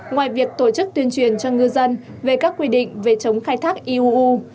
ngoài việc tổ chức tuyên truyền cho ngư dân về các quy định về chống khai thác iuu